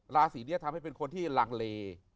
ราศีนี้ทำให้เป็นคนที่ลังเล